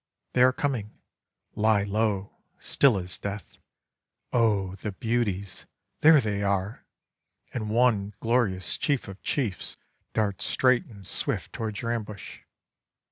They are coming. Lie low. Still as death. Oh! the beauties! There they are! And one glorious chief of chiefs darts straight and swift towards your ambush.